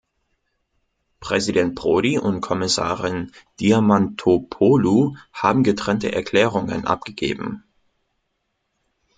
Präsident Prodi und Kommissarin Diamantopoulou haben getrennte Erklärungen abgegeben.